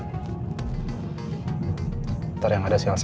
ntar yang ada si elsa